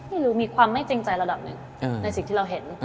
มีความไม่เกรงใจระดับหนึ่งในสิ่งที่เราเห็น